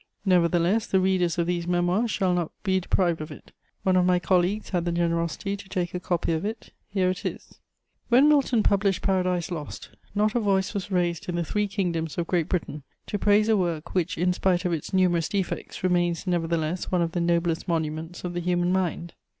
Nevertheless the readers of these Memoirs shall not be deprived of it: one of my colleagues had the generosity to take a copy of it; here it is: [Sidenote: My inaugural speech.] "When Milton published Paradise Lost, not a voice was raised in the three kingdoms of Great Britain to praise a work which, in spite of its numerous defects, remains nevertheless one of the noblest monuments of the human mind.